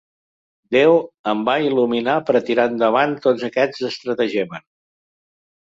Déu em va il·luminar per tirar endavant tots aquests estratagemes.